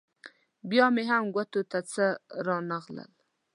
بیا مې هم ګوتو ته څه رانه غلل.